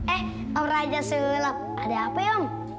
eh om raja sulap ada apa ya om